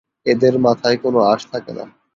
এদের মাথায় কোনো আঁশ থাকে না।